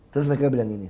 terus mereka bilang gini